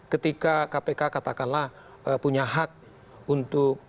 ketika kpk katakanlah punya hak untuk